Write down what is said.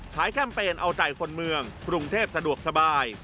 แคมเปญเอาใจคนเมืองกรุงเทพสะดวกสบาย